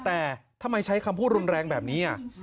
แต่ทำไมใช้คำพูดรุนแรงแบบนี้